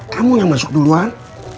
kamu yang masuk duluan